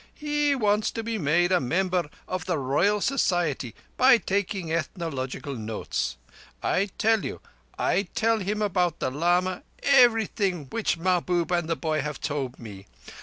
He wants to be made a member of the Royal Society by taking ethnological notes. I tell you, I tell him about the lama everything which Mahbub and the boy have told me.